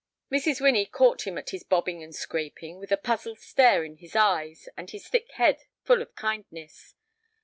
Mrs. Winnie caught him at this bobbing and scraping, with a puzzled stare in his eyes and his thick head full of kindness.